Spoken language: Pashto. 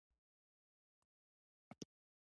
د شیدو خواږه د بدن لپاره ګټور دي.